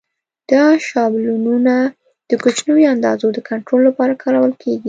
دا شابلونونه د کوچنیو اندازو د کنټرول لپاره کارول کېږي.